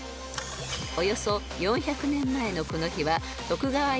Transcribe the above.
［およそ４００年前のこの日は］